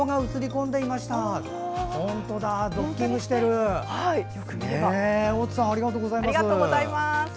ｏ２さん、ありがとうございます。